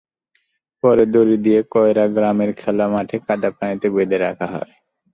পরে দড়ি দিয়ে কয়ড়া গ্রামের খোলা মাঠে কাদাপানিতে বেঁধে রাখা হয়।